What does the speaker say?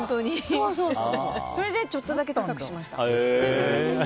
それでちょっとだけ高くしました。